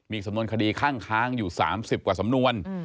มีสำนวนคดีข้างค้างอยู่๓๐กว่าสำนวน